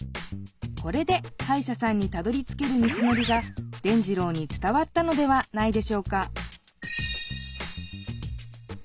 これではいしゃさんにたどりつける道のりが伝じろうに伝わったのではないでしょうか？